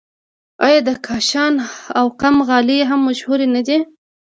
آیا د کاشان او قم غالۍ هم مشهورې نه دي؟